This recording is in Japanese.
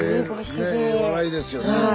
ね笑いですよね。